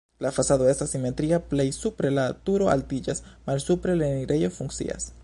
La fasado estas simetria, plej supre la turo altiĝas, malsupre la enirejo funkcias.